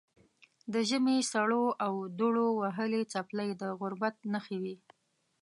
د ژمي سړو او دوړو وهلې څپلۍ د غربت نښې وې.